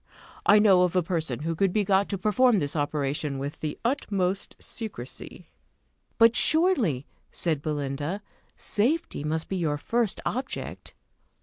I know of a person who could be got to perform this operation with the utmost secrecy." "But, surely," said Belinda, "safety must be your first object!"